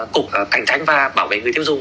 cục cạnh tranh và bảo vệ người tiêu dung